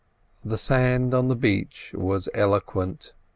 The sand on the beach was eloquent.